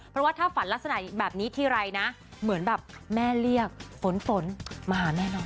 เพราะว่าถ้าฝันลักษณะแบบนี้ทีไรนะเหมือนแบบแม่เรียกฝนฝนมาหาแม่นอน